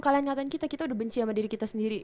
kalian ngatain kita kita udah benci sama diri kita sendiri